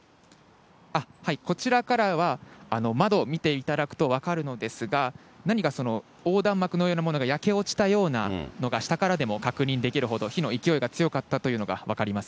こちらからは窓、見ていただくと分かるのですが、何かその、横断幕のようなものが焼け落ちたようなものが下からでも確認できるほど、火の勢いが強かったというのが分かります。